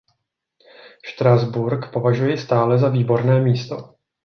Štrasburk považuji stále za výborné místo.